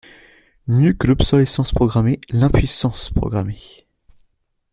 Mieux que l’obsolescence programmée, l’impuissance programmée.